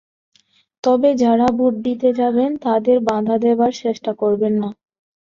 তবে যাঁরা ভোট দিতে যাবেন, তাঁদের বাধা দেবার চেষ্টা করবেন না।